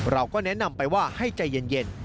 เราก็แนะนำไปว่าให้ใจเย็น